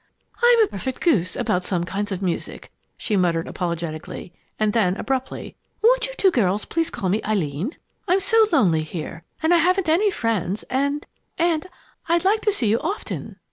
"I'm a perfect goose about some kinds of music!" she muttered apologetically, and then, abruptly, "Won't you two girls please call me Eileen? I'm so lonely here and I haven't any friends and and I'd like to see you often."